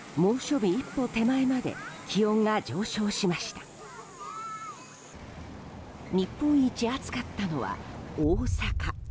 日本一暑かったのは大坂。